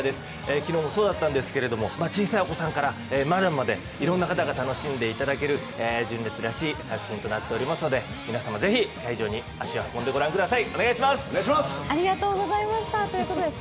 昨日もそうだったんですけれども、小さいお子さんからマダムまで、いろんな方が楽しんでいただける純烈らしい作品となっていますので、皆様、ぜひ会場に足を運んで御覧ください。